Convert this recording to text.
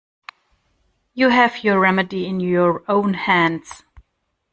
You have your remedy in your own hands.